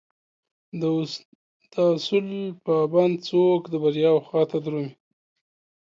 داصول پابند څوک دبریاوخواته درومي